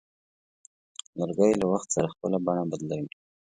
لرګی له وخت سره خپل بڼه بدلوي.